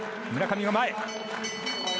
村上が前。